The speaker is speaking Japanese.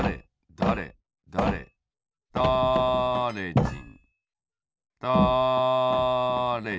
「だれだれだれじん」